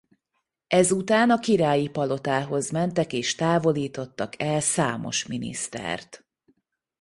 Ezután a királyi palotához mentek és távolítottak el számos minisztert.